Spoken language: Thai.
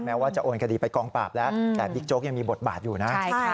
ว่าจะโอนคดีไปกองปราบแล้วแต่บิ๊กโจ๊กยังมีบทบาทอยู่นะ